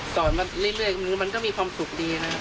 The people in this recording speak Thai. สอนเรียบร้อยหนึ่งก็มีความสุขดีนะครับ